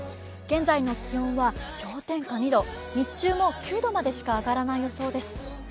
現在の気温は氷点下２度、日中も９度までしか上がらない予想です。